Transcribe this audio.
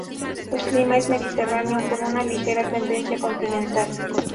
El clima es mediterráneo con una ligera tendencia continental.